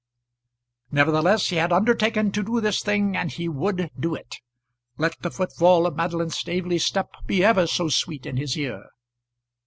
Nevertheless he had undertaken to do this thing, and he would do it, let the footfall of Madeline Staveley's step be ever so sweet in his ear.